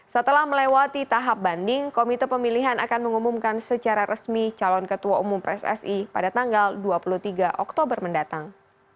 setelah melewati tahap banding komite pemilihan akan mengumumkan secara resmi calon ketua umum pssi pada tanggal dua puluh tiga oktober mendatang